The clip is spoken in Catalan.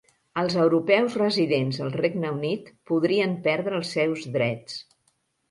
Els europeus residents al Regne Unit podrien perdre els seus drets